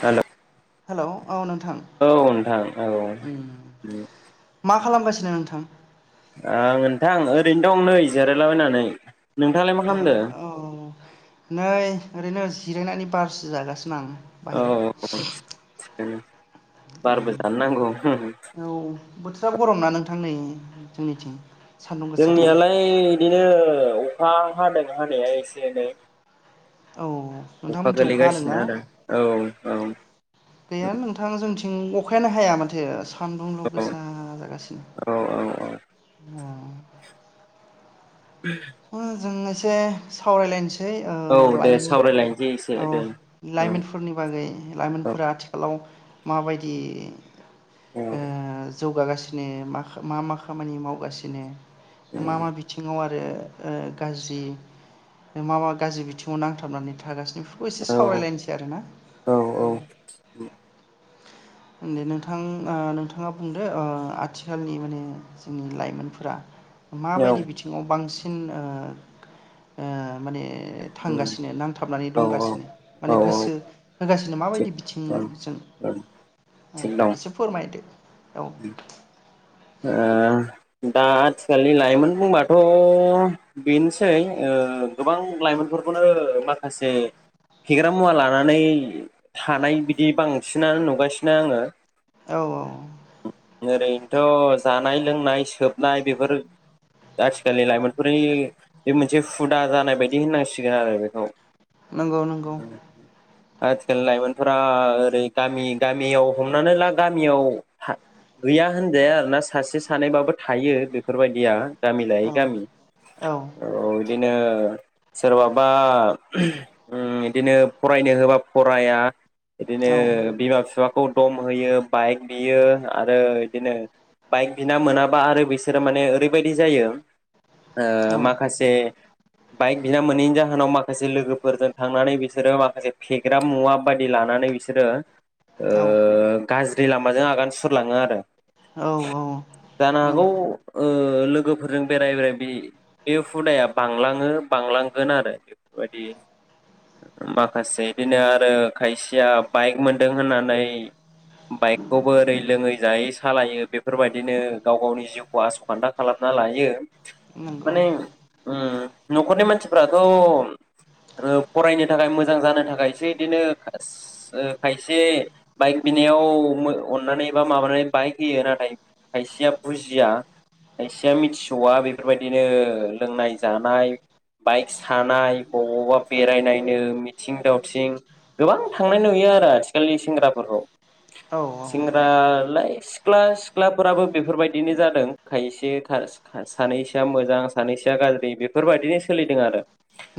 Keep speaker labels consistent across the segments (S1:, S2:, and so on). S1: हेल'
S2: hello औ नोंथां
S1: औ नोंथां औ उम
S2: मा खालामगासिनो नोंथां
S1: आं ओनथां ओरैनो दं नै जिरायलाबायनानै ।
S2: औ औ औ नै ओरैनो जिरायनानै बारसो जागासिनो आं ।
S1: औ उम बारबो जानो नांगौ ।
S2: औ [unintelligible] गरम ना नोंथां नै जोंनिथिं ।
S1: जोंनियालाय बिदिनो खा हादों हानाया एसे एनै ।
S2: औ
S1: अखा
S2: नोंथांमोनथिं हादोंना
S1: गोलैगासिनो आरो औ । औ
S2: गैया नोंथां जोंथि ङ अखायानो हाया माथो । सान्दुंल'
S1: औ
S2: गोसा
S1: औ औ
S2: जागासिनो अ
S1: [unintelligible]
S2: जों एसे सावरायलायनोस सै ओ
S1: औ दे
S2: लाइमोन
S1: सावरायलायनोसै
S2: औ
S1: एसे दे औ
S2: लाइमोनफोरनि बागै लाइमोनफोरा आथिखालाव माबायदि
S1: औ
S2: ओ जौगागासिनो मा मा मा खामानि मावगासिनो मा मा बिथिङाव आर रो ओ गाज्रि मा मा गाज्रि बिथिङाव नांथाबनानै थागासिनो? बेफोरखौ एसे
S1: औ
S2: सावरायलायनोसै आरोना दे नोंथां ओ नोंथाङा बुंदो ओ आथिखालनि माने जोंनि लाइमोनफोरा माबायदि बिथिङाव बांसिन सिन ओ ओ माने थांगासिनो नांथाबनानै
S1: औ
S2: दंगासिनो माने
S1: औ औ
S2: गोसो होगासिनो
S1: थिग
S2: माबायदि बिथिंमोन जों ओ
S1: थिग दं
S2: एसे फोरमायदो । औ
S1: ओ दा आथिखालनि लाइमोन बुंबाथ' बेनोसै ओ गोबां लाइमोनफोरखौनो ओ माखासे फेग्रा मुवा लानानै थानाय बिदि बांसिनानो नुगासिनो आङो ।
S2: औ औ
S1: जेरै थ' जानाय लोंनाय सोबनाय बेफोर आथिखालनि लाइमोनफोरनि बे मोनसे हुदा जानाय बायदि होननांसिगोन आरो बेखौ ।
S2: नंगौ नंगौ
S1: आथिखाल लाइमोनफोरा ओरै गामि गामियाव हमनानै ला गामियाव था गैया होनजाया आरोना सासे सानैबाबो थायो बेफोरबायदिया गामि लायै
S2: औ
S1: गामि औ बिदिनो सोरबाबा उम बिदिनो फरायनो होबा फराया बिदिनो
S2: औ
S1: बिमा बिफाखौ दम होयो बाइक बियो आरो बिदिनो बाइक बिना मोनाबा आरो बिसोरो माने ओरैबायदि जायो
S2: औ
S1: ओ माखासे बाइक बिना मोनैनि जाहोनाव माखासे लोगोफोरजों थांनानै बिसोरो माखासे फेग्रा मुवा बायि लानानै बिसोरो
S2: औ
S1: ओ गाज्रि लामाजों आगान सुरलाङो आरो ।
S2: औ औ
S1: जानो हागौ
S2: नंगौ
S1: ओ लोगोफोरजों बेराय बेराय बे बे हुदाया बांलाङो बांलांगोन आरो बेफोरबायदि माखासे बिदिनो आरो खायसेया बाइक मोनदों होननानै बाइकखौबो ओरै लोङै जायै स सालायो बेफोरबायदिनो गाव गावनि जिउखौ आस' खान्दा खालामना लायो ।
S2: नंगौ
S1: उम न'खरनि मानसिफ्राथ' ओ फरायनो थाखाय मोजां जानो थाखायसो बिदिनो खाय-खायसे बाइक बिनायाव अननानै बा माबानानै बाइक फैयो नाथाय खायसेया बुजिया खायसेया मिथिस'वा बेफोरबायदिनो लोंनाय जानाय बाइक सानाय बबावबा बेरायनायनो मिथिं दावथिं गोबां थांनाय नुयो आरो आथिखालनि सेंग्राफोरखौ
S2: औ औ
S1: सेंग्रा [unintelligible] सिख्ला सिख्लाफोराबो बेफोरबायदिनो जादों खायसे खा सा-सानैसोआ मोजां सानैसोआ गाज्रि बेफोरबायदिनो सोलिदों आरो ।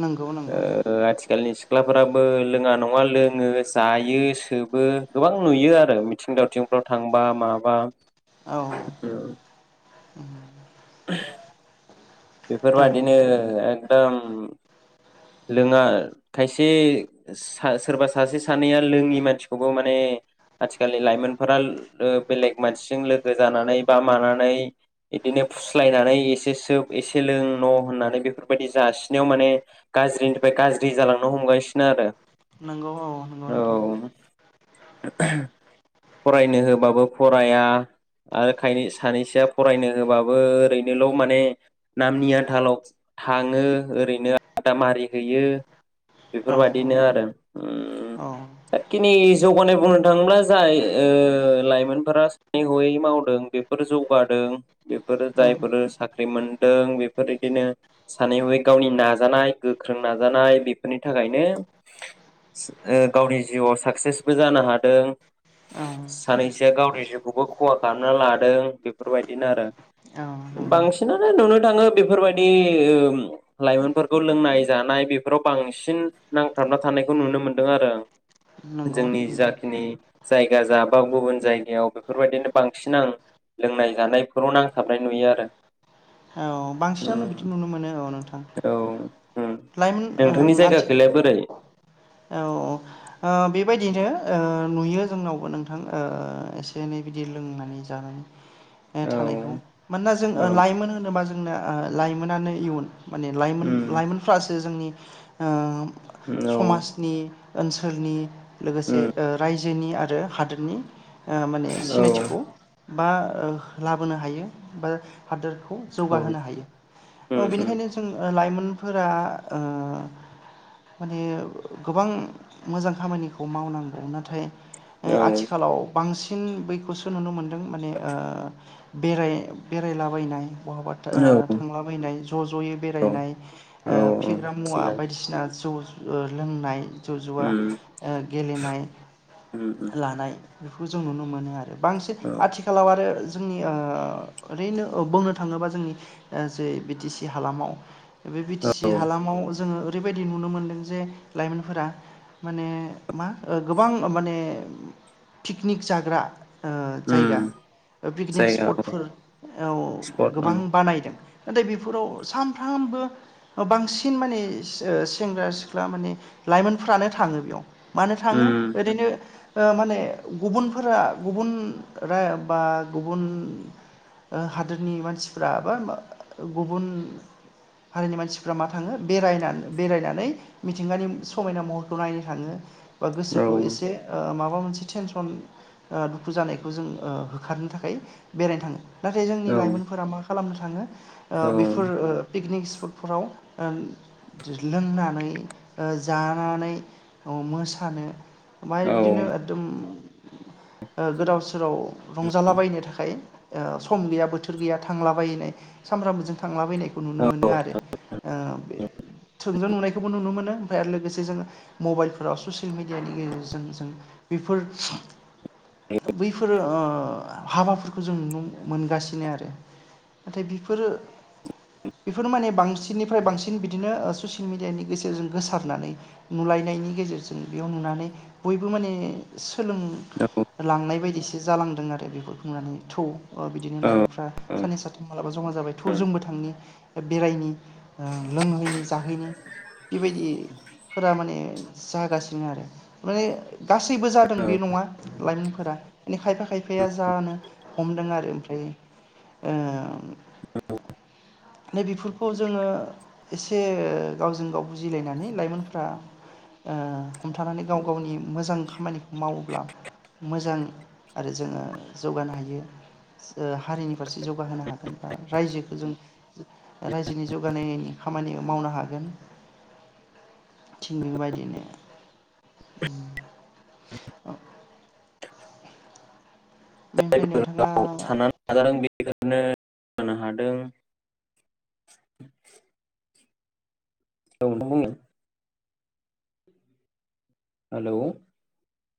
S2: नंगौ नंगौ
S1: ओ आथिखालनि सिख्लाफोराबो लोङा नङा लोङो जायो सोबो गोबां नुयो आरो मिथिं दावथिंफ्राव थांबा माबा बा
S2: औ
S1: औ [unintelligible]
S2: औ
S1: बेफोरबादिनो एकदम लोङा खायसे सा सोरबा सासे सानैया लोङि मानसिखौबो माने आथिखालनि लाइमोनफोरा ओ बे-बेलेग मानसिजों लोगो जानानै बा मानानै बिदिनो फुस्लायनानै एसे सोब एसे लों न' होननानै बेफोरबायदि जासिनायाव माने गाज्रिनिफ्राय गाज्रि जालांनो हमगासिनो आरो ।
S2: नंगौ औ नोंगौ नोंथां
S1: [unintelligible] फरायनो होबाबो फराया आरोखाय सानैसोआ फरायनो होबाबो ओरैनोल' माने नामनि आथालाव थाङो ओरैनो आदामारि हैयो
S2: औ
S1: बेफोरबादिनो आरो उम
S2: औ
S1: जाखिनि जौगानाय बुंनो थाङोब्ला जाय ओ लाइमोनफोरा सानै हयै मावदों बेफोर जौगादों बेफोरो
S2: उम
S1: जायफोर साख्रि मोनदों बेफोर इदिनो सानै हयै गावनि ना नाजाय गोख्रों नाजानाय बेफोरनि थाखायनो ओ गावनि जिउआव साक्सेसबो जानो हादों
S2: औ
S1: । सानैसोआ गावनि जिउखौबो खहा खालामना लादों । बेफोरबायदिनो आरो
S2: नंगौ
S1: बांसिनानो नुनो थाङो बेफोरबायदि ओ लाइमोन खौ लोंनाय जानाय बेफोराव बांसिन नांथाबना थानायखौ नुनो मोन्दों आरो आं
S2: नंगौ
S1: जोंनि
S2: नंगौ
S1: जाखिनि जायगा जा बा गुबुन जायगायाव बेफोरबायदिनो बांसिन आं लोंनाय जानायफोराव नांथाबनाय नुयो आरो ।
S2: औ बांसिनानो बिदि नुनो मोनो औ
S1: उम औ उम
S2: । लायमोन
S1: नोंथांनि
S2: ओं आथि
S1: जायगाखैलाय बोरै
S2: औ औ ओ बे बेबायदिनो ओ ओ नुयो जोंनावबो नोंथां ओ एसे एनै बिदि लोंनानै जानाय । ओ
S1: औ
S2: थानायखौ मानोना ओ जों
S1: औ
S2: लाइमोन होनोबा जों जोंना लाइमोनानो माने लाइमोन
S1: उम
S2: लाइमोनफ्रासो जोंनि ओम
S1: औ
S2: समाजनि ओनसोलनि लोगोसे
S1: उम
S2: ओ रायजो जोनि आरो हादोरनि ओ माने
S1: औ
S2: सिनायथिखौ बा लाबोनो हायो बा हादोरखौ
S1: उम
S2: जौगाहोनो हायो औ
S1: उम
S2: बिनिखायनो जों ओ लाइमोन फोरा ओ माने गोबां मोजां खामानिखौ मावनांगोन नाथाय ओं
S1: औ
S2: आथिखालाव बांसिन बैखौसो नुनो मोनदों माने ओ बेराय बेरायलाबायनाय । बहाबा
S1: औ
S2: था-थांलाबायनाय ज जयै
S1: औ
S2: बेरायनाय
S1: औ
S2: फेग्रा मुवा
S1: थिगानो
S2: बायदिसिना जौ ओ लोंनाय जौ जुवा
S1: उम
S2: ओ गेलेनाय
S1: उम उम
S2: लानाय बेखौ जों नुनो मोनो आरो बांसिन
S1: औ
S2: आथिखालाव आरो जोंनि ओ ओरैनो बुंनो थाङोबा जोंनि जे बि टि सि हालामाव बे बि टि
S1: औ
S2: सि हालामाव जोङो ओरैबायदि नुनो मोनदों जे लाइमोनफोरा माने मा गोबां माने पिकनिक जाग्रा ओ जायगा
S1: उम
S2: पिकनिक
S1: जायगा औ
S2: स्पटफोराव
S1: स्पट उम
S2: गोबां बानायदों नाथाय बेफोराव सानफ्रामबो बांसिन माने सेंग्रा सिख्ला माने लाइमोनफ्रानो थाङो बेयाव मानो थाङो
S1: उम
S2: ओरैनो ओ माने गुबुनफोरा गुबुन रा बा गुबुन हादोरनि मान सिफ्रा बा गुबुन हारिनि मानसिफ्रा मा थाङो बेरायनानै बेरायनानै मिथिंगानि समायना महरखौ नायनो थाङो बा
S1: औ
S2: गोसोखौ एसे ओ माबा माबा मोनसे टेनसन ओ दुखु जानायखौ जों ओ होखारनो थाखाय बेरायनो थाङो । नाथाय जोंनि
S1: औ
S2: लाइमोन खालामनो थाङो ओ बेफोर ओ पिकनिकस [unintelligible] फोराव ओ लोंनानै ओ जानानै औ मोसानो माइ
S1: औ
S2: बिदिनो एकदम ओ गोदाव सोराव रंजालाबायनो थाखाय ओ सम गैया बोथोर गैया थांलाबायनाय सानफ्रामबो जों थांला बायनायखौ नुनो मोनो आरो ओ बे थोंजों नुनायखौबो नुनो मोनो । ओमफ्राय आरो लोगोसे जोङो मबाइलफोराव ससियेल मिडियानि गेजेरजों जों बेफोर बैफोरो ओ हाबाफोरखौ जों नुनो मोनगासिनो आरो नाथाय बेफोरो बेफोर माने बांसिननिफ्राय बांसिन बिदिनो ससियेल मिडियानि गेजेरजों गोसारनानै नुलायनायनि गेजेरजों बेयाव नुनानै बयबो माने
S1: औ
S2: सोलोंलांनाय बायदिसो जालांदों आरो । [unintelligible] बेफोरखौ बुंनानै थौ अ बिदिनो
S1: औ
S2: लाइमोनफ्रा
S1: औ
S2: सानै साथाम मालाबा जमा जाबाय थ जोंबो थांनि बेरायनो ओ लोंहैनि जाहैनि बेबायदिफोरा माने जागासिनो आरो माने गासैबो जादों बे नङा लाइमोनफोरा माने खायफा खायफाया जानो हमदों आरो ओमफ्राय । ओ नै बेफोरखौ जोङो एसे गावजों गाव बुजिलायनानै लाइमोनफ्रा ओ हमथानानै गाव गावनि मोजां खामानिखौ मावोब्ला मोजां आरो जोङो जौगानो हायो ओ हारिनि फारसे जौगाहोनो हागोन बा रायजोखौ जों रायजोनि जौगानाय खामानि मावनो हागोन । थिगबेबायदिनो [unintelligible] बेनिफ्राय
S1: जायफोर
S2: नोंथाङा
S1: गाव साननानै [unintelligible] हादों औ नोंथां [unintelligible] हेलौ